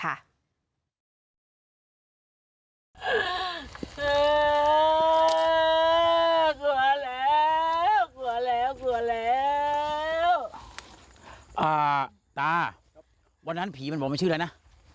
กลัวแล้วกลัวแล้วกลัวแล้วอ่าตาวันนั้นผีมันบอกไม่ชื่ออะไรนะ